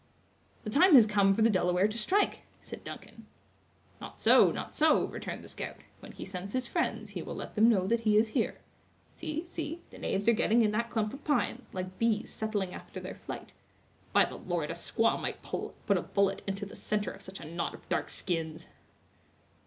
"The time has come for the Delaware to strike!" said Duncan. "Not so, not so," returned the scout; "when he scents his friends, he will let them know that he is here. See, see; the knaves are getting in that clump of pines, like bees settling after their flight. By the Lord, a squaw might put a bullet into the center of such a knot of dark skins!"